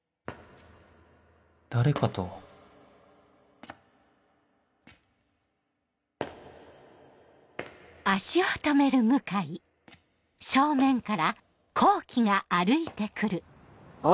誰かとあ！